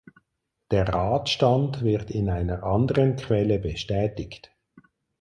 Der Radstand wird in einer anderen Quelle bestätigt.